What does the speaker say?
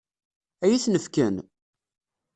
Ad iyi-ten-fken?